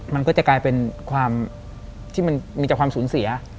มันก็จะกลายเป็นความที่มันมีแต่ความสูญเสีย